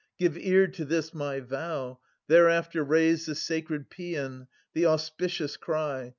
Give ear to this my vow ; thereafter raise The sacred paean, the auspicious cry.